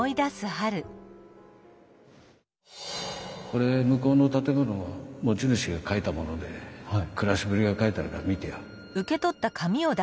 これ向こうの建物の持ち主が書いたもので暮らしぶりが書いてあるから見てよ。